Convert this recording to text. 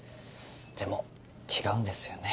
でも違うんですよね。